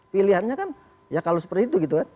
pilihannya kan ya kalau seperti itu gitu kan